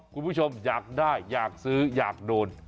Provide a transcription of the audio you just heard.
คุณผู้ชมอยากได้อยากซื้ออยากโดน